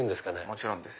もちろんです。